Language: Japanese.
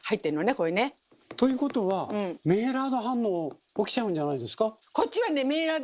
これね。ということはメイラード反応起きちゃうんじゃないですか？